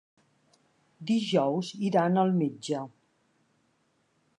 Dijous iran al metge.